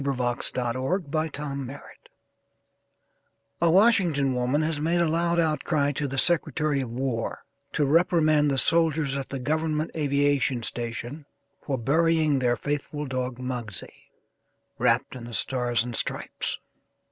THE FLAG AND THE FAITHFUL (A Washington woman has made a loud outcry to the Secretary of War to reprimand the soldiers at the Government Aviation Station for burying their faithful dog, Muggsie, wrapped in the Stars and Stripes.)